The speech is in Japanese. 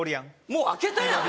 もう開けたやん